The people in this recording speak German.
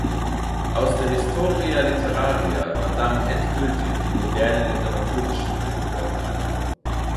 Aus der „Historia Literaria“ war damit endgültig die moderne Literaturgeschichte geworden.